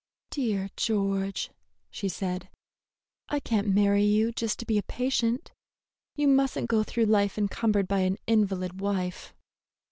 "Dear George," she said, "I can't marry you just to be a patient. You must n't go through life encumbered by an invalid wife."